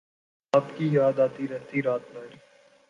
آپ کی یاد آتی رہی رات بھر